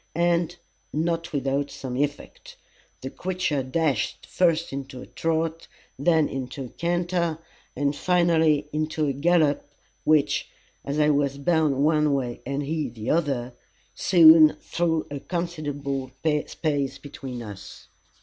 And, not without some effect. The creature dashed first into a trot, then into a canter, and finally into a gallop, which, as I was bound one way and he the other, soon threw a considerable space between us.